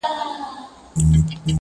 زه د ازل ښکاري خزان پر زړه ویشتلی یمه-